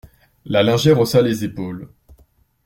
La lingère haussa les épaules.